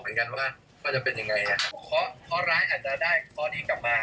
เลขหนึ่งกับเลขสามอ่ะ